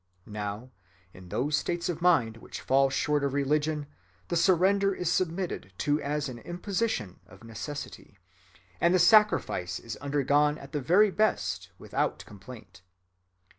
Now in those states of mind which fall short of religion, the surrender is submitted to as an imposition of necessity, and the sacrifice is undergone at the very best without complaint.